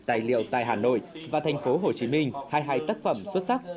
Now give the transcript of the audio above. tài liệu tại hà nội và thành phố hồ chí minh hai hài tác phẩm xuất sắc